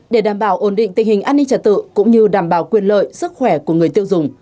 để đảm bảo ổn định tình hình an ninh trật tự cũng như đảm bảo quyền lợi sức khỏe của người tiêu dùng